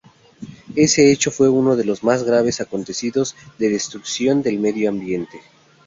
Ese hecho fue uno de los más graves acontecidos de destrucción del medio ambiente.